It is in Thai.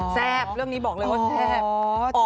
แซ่บเรื่องนี้บอกเลยว่าแซ่บ